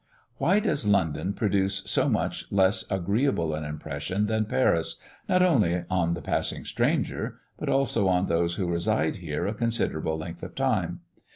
Why does London produce so much less agreeable an impression than Paris, not only on the passing stranger, but also on those who reside here a considerable length of time?